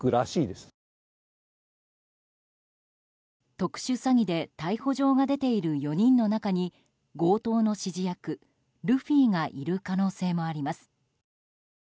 特殊詐欺で逮捕状が出ている４人の中に強盗の指示役ルフィがいる可能性もあります。